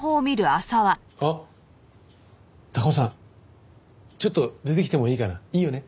あっ高尾さんちょっと出てきてもいいかな？いいよね？